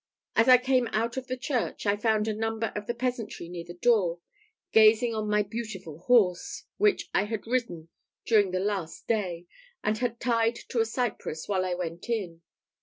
As I came out of the church, I found a number of the peasantry near the door, gazing on my beautiful horse, which I had ridden during the last day, and had tied to a cypress while I went in.